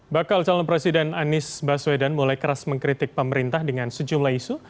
bakal calon presiden anies baswedan mulai keras mengkritik pemerintah dengan sejumlah isu